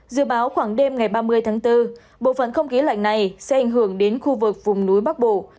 dự báo khoảng đêm ngày ba mươi tháng bốn bộ phận không khí lạnh này sẽ ảnh hưởng đến khu vực vùng núi bắc bộ